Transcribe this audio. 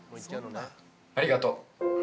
◆ありがとう。